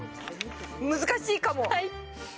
難しいかも。